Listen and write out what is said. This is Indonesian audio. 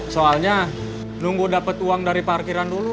soalnya nunggu dapat uang dari parkiran dulu